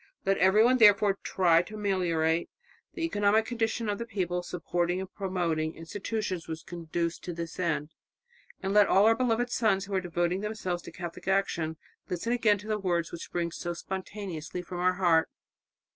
Let everyone, therefore, strive to ameliorate ... the economic condition of the people, supporting and promoting institutions which conduce to this end ... and let all our beloved sons who are devoting themselves to Catholic action listen again to the words which spring so spontaneously from our heart.